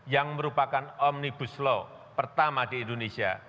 yang merupakan omnibus law pertama di indonesia